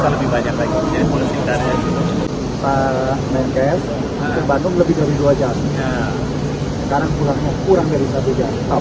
sekarang pulangnya kurang dari satu jam